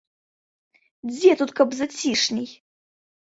Дзе тут каб зацішней.